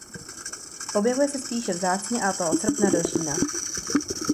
Objevuje se spíše vzácně a to od srpna do října.